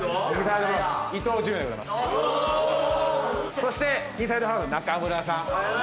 そしてインサイドハーフ中村さん。